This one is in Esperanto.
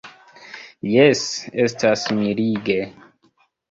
Jes, estas mirige.